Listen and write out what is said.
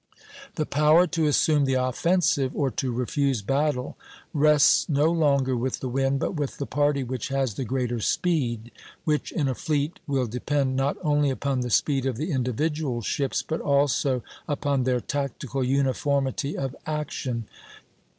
The power to assume the offensive, or to refuse battle, rests no longer with the wind, but with the party which has the greater speed; which in a fleet will depend not only upon the speed of the individual ships, but also upon their tactical uniformity of action.